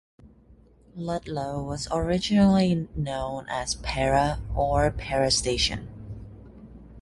Ludlow was originally known as "Pera" or "Pera Station".